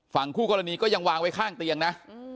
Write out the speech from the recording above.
ฝั่งคู่กรณีก็ยังวางไว้ข้างเตียงนะ